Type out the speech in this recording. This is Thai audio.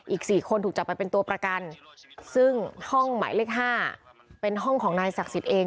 อีก๔คนถูกจับไปเป็นตัวประกันซึ่งห้องหมายเลข๕เป็นห้องของนายศักดิ์สิทธิ์เอง